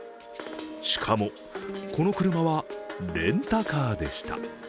しかも、この車はレンタカーでした。